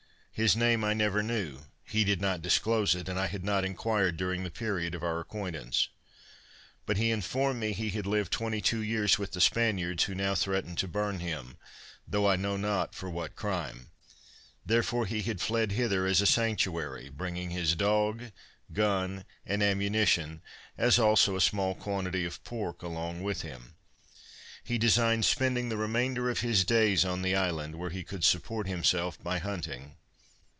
His name I never knew, he did not disclose it, and I had not inquired during the period of our acquaintance. But he informed me he had lived twenty two years with the Spaniards who now threatened to burn him, though I know not for what crime; therefore he had fled hither as a sanctuary, bringing his dog, gun, and ammunition, as also a small quantity of pork, along with him. He designed spending the remainder of his days on the island, where he could support himself by hunting.